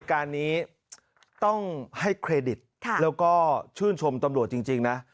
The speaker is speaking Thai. การนี้ต้องให้เครดิตแล้วก็ชื่นชมตำรวจจริงนะ